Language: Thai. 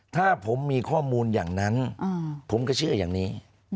ถ้าผมมีข้อมูลอย่างนั้นผมก็เชื่ออย่างนี้